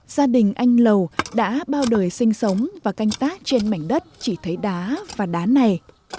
gia đình anh lầu đã bao đời sinh sống và canh tác trên mảnh đất chỉ thấy đá và đá này